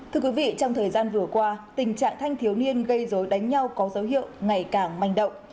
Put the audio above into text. thưa quý vị trong thời gian vừa qua tình trạng thanh thiếu niên gây dối đánh nhau có dấu hiệu ngày càng manh động